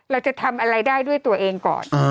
เราจะทำอะไรได้ด้วยตัวเองก่อน